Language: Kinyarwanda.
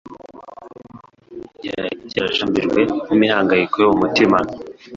ryari ryarajambijwe n'imihangayiko yo mu mutima.